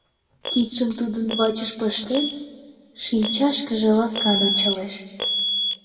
Кидшым тудын вачыш пыштен, шинчашкыже ласкан ончалеш.